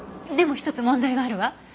でも１つ問題があるわ。